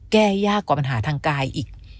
แก้ยากกว่าปัญหาทางกายอีก